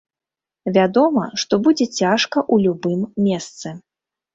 Вядома, што будзе цяжка ў любым месцы.